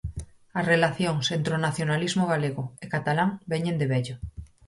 As relacións entre o nacionalismo galego e catalán veñen de vello.